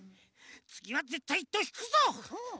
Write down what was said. つぎはぜったい１とうひくぞ！